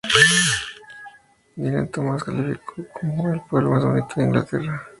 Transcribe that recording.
Dylan Thomas lo calificó como "el pueblo más bonito de Inglaterra".